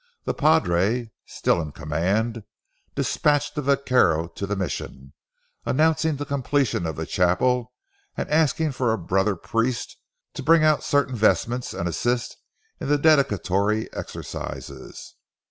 The padre, still in command, dispatched a vaquero to the Mission, announcing the completion of the chapel, and asking for a brother priest to bring out certain vestments and assist in the dedicatory exercises.